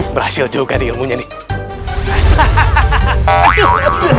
berhasil juga nih ilmunya nih